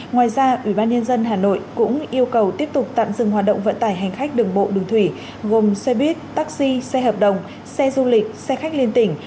ngoài ra ubnd hà nội cũng yêu cầu tiếp tục tạm dừng hoạt động vận tải hành khách đường bộ đường thủy gồm xe buýt taxi xe hợp đồng xe du lịch xe khách liên tỉnh